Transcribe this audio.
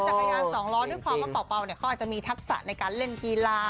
จักรยานสองล้อด้วยความว่าเป่าเนี่ยเขาอาจจะมีทักษะในการเล่นกีฬา